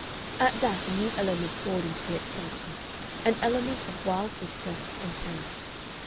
At that a new element poured into her excitement, an element of wild disgust and terror.